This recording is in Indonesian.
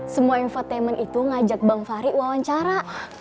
semua enfortainment itu ngajak bang fahri wawancara